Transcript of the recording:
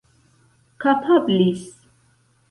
kapablis